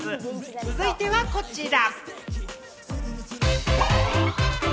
続いてはこちら。